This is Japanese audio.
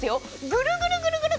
ぐるぐるぐるぐる。